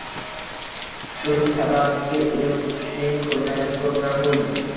Shul sababki ul qushning ko‘zlari ko‘p nam bo‘ldi